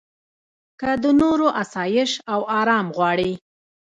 که د نورو اسایش او ارام غواړې.